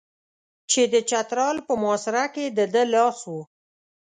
چې د چترال په محاصره کې د ده لاس و.